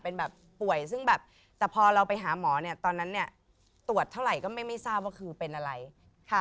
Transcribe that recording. เป็นแบบป่วยซึ่งแบบแต่พอเราไปหาหมอเนี่ยตอนนั้นเนี่ยตรวจเท่าไหร่ก็ไม่ทราบว่าคือเป็นอะไรค่ะ